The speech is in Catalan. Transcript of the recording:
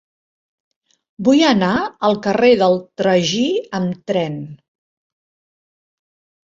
Vull anar al carrer del Tragí amb tren.